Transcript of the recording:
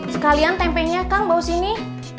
sekalian tempenya kak bawa sini